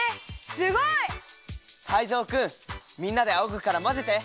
すごい！タイゾウくんみんなであおぐからまぜて！